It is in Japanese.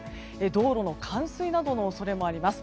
道路の冠水などの恐れもあります。